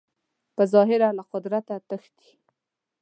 په ظاهره له قدرته تښتي